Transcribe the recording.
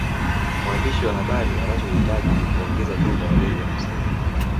Mwandishi wa habari anachohitaji ni kuongeza tu maelezo ya msingi